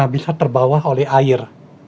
bisa terbawa oleh air